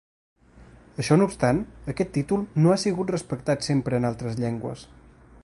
Això no obstant, aquest títol no ha sigut respectat sempre en altres llengües.